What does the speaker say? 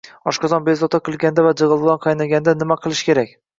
Oshqozon bezovta qilganda va jig‘ildon qaynaganda nima qilish kerak?